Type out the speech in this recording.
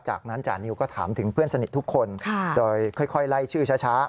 จากนั้นจานิวก็ถามถึงเพื่อนสนิททุกคนโดยค่อยไล่ชื่อช้า